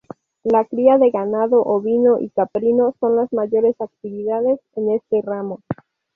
La cría de ganado ovino y caprino son las mayores actividades en este ramo.